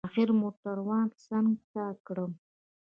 اخر موټروان څنگ ته کړم.